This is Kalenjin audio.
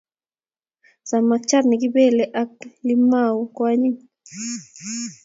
Samakchat ne kipelei ak limau ko anyiny